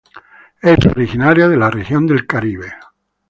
Es originaria de la región del Caribe.